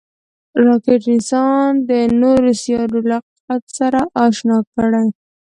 راکټ انسان د نورو سیارو له حقیقت سره اشنا کړ